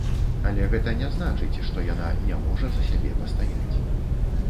Але гэта не значыць, што яна не можа за сябе пастаяць.